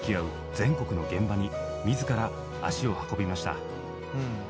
全国の現場に自ら足を運びました。